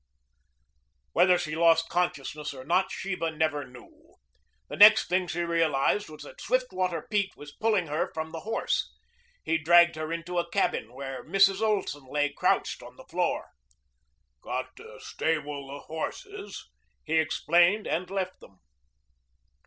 Whether she lost consciousness or not Sheba never knew. The next she realized was that Swiftwater Pete was pulling her from the horse. He dragged her into a cabin where Mrs. Olson lay crouched on the floor. "Got to stable the horses," he explained, and left them.